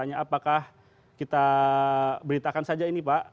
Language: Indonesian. apakah kita beritakan saja ini pak